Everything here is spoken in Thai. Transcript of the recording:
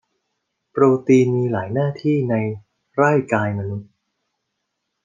โปรตีนมีหลายหน้าที่ในร่ายกายมนุษย์